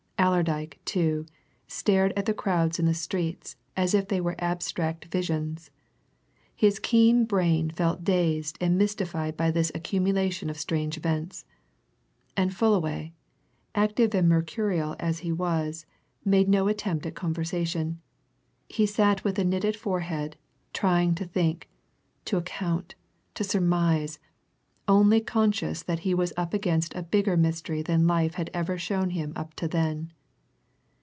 Allerdyke, too, stared at the crowds in the streets as if they were abstract visions his keen brain felt dazed and mystified by this accumulation of strange events. And Fullaway, active and mercurial though he was, made no attempt at conversation he sat with knitted forehead, trying to think, to account, to surmise, only conscious that he was up against a bigger mystery than life had ever shown him up to then.